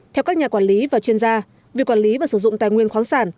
theo các nhà quản lý và chuyên gia việc quản lý và sử dụng tài nguyên khoáng sản